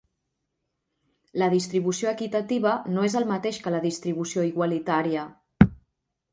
La distribució equitativa no és el mateix que la distribució igualitària.